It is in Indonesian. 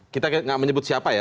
kita tidak menyebut siapa ya